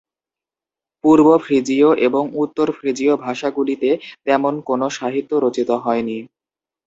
পূর্ব ফ্রিজীয় এবং উত্তর ফ্রিজীয় ভাষাগুলিতে তেমন কোন সাহিত্য রচিত হয়নি।